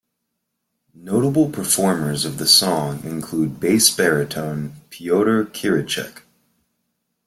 Notable performers of the song include bass-baritone Pyotr Kirichek.